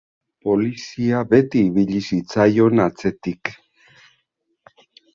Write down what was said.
Polizia beti ibili zitzaion atzetik.